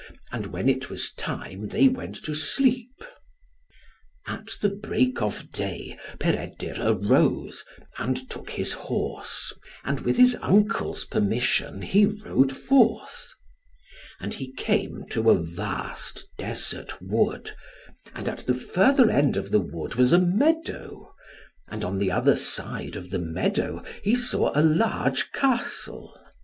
And when it was time, they went to sleep. At the break of day, Peredur arose, and took his horse, and with his uncle's permission, he rode forth. And he came to a vast desert wood, and at the further end of the wood was a meadow, and on the other side of the meadow he saw a large castle.